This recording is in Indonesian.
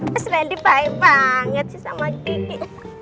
mas wendy baik banget sih sama gigi